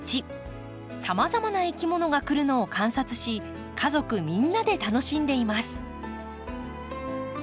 さまざまないきものが来るのを観察し家族みんなで楽しんでいます。